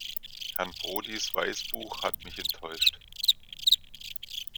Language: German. Herrn Prodis Weißbuch hat mich enttäuscht.